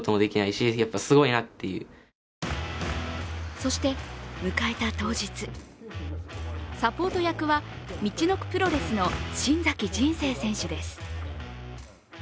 そして迎えた当日、サポート役は、みちのくプロレスの新崎人生選手です。